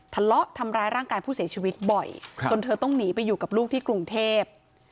ทะเลาะทำร้ายร่างกายผู้เสียชีวิตบ่อยจนเธอต้องหนีไปอยู่กับลูกที่กรุงเทพ